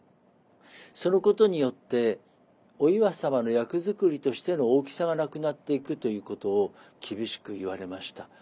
そのことによってお岩様の役作りとしての大きさがなくなっていくということを厳しく言われました。